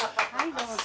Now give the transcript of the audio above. どうぞ。